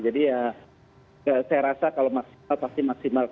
jadi ya saya rasa kalau maksimal pasti maksimal